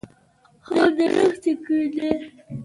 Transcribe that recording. خوب د روح سکون دی